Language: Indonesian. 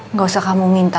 nggak usah kamu minta